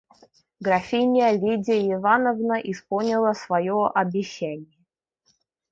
Графиня Лидия Ивановна исполнила свое обещание.